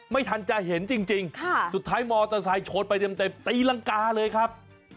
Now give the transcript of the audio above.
ไม่ทันจะเห็นจริงสุดท้ายมอเตอร์ไซค์ชนไปเต็มตีรังกาเลยครับ